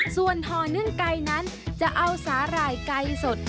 ส่วนห่อนึ่งไก่นั้นจะเอาสาหร่ายไก่สด